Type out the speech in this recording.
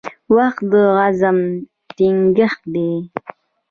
• وخت د عزم ټینګښت دی.